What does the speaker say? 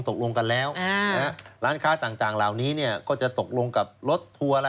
ตกลงกันแล้วร้านค้าต่างเหล่านี้เนี่ยก็จะตกลงกับรถทัวร์